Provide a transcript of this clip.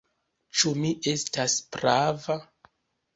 Ĉu mi estas prava?"